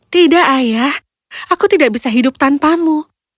tidak ayah aku tidak bisa hidup tanpamu